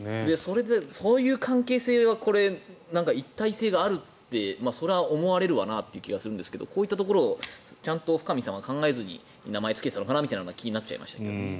そういう関係性は一体性があるってそれは思われるわなという気がするんですがこういったところちゃんと深見さんは考えずに名前をつけたのかなって思っちゃいました。